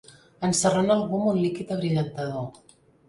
Ensarrona algú amb un líquid abrillantador.